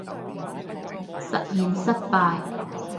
實驗失敗